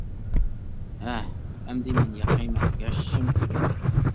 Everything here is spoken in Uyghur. ھە، ئەمدى مەن ياشايمەن ياشىشىم كېرەك!